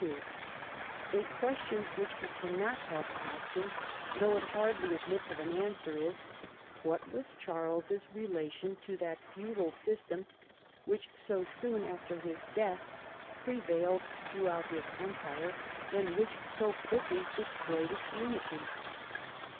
A question which we cannot help asking, though it hardly admits of an answer, is '•' What was Charles's relation to that feudal system which, so soon after his death, prevailed throughout his empire, and which so quickly destroyed its unity?"